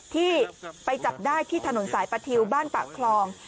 ที่ไปจับได้ที่ถนนสายประทิวบ้านปากคลอง